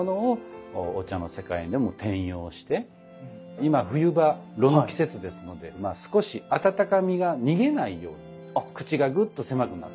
今冬場炉の季節ですので少し温かみが逃げないように口がぐっと狭くなって。